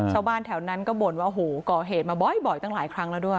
ชาวบ้านแถวนั้นก็บ่นว่าโอ้โหก่อเหตุมาบ่อยตั้งหลายครั้งแล้วด้วย